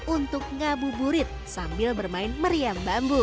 untuk ngabuburit sambil bermain meriam bambu